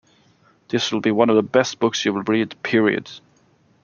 This will be one of the best books you will read, period.